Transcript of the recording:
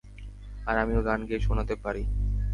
আর আমিও গান গেয়ে শুনাতে পারি।